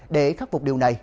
để khắc phục điều này